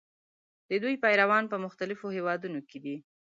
د دوی پیروان په مختلفو هېوادونو کې دي.